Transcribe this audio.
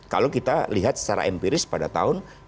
kalau kita lihat secara empiris pada tahun dua ribu